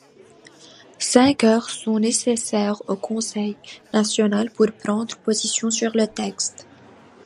Cinq heures sont nécessaires au Conseil national pour prendre position sur le texte.